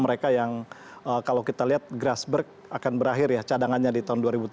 mereka yang kalau kita lihat grassberg akan berakhir ya cadangannya di tahun dua ribu tujuh belas